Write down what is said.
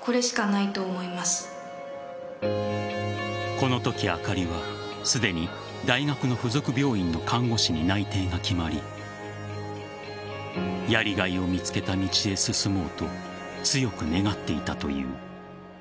このとき、あかりはすでに大学の付属病院の看護師に内定が決まりやりがいを見つけた道へ進もうと強く願っていたという。